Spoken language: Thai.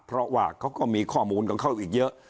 เพราะว่าเขาก็มีข้อมูลของเขาอีกเยอะ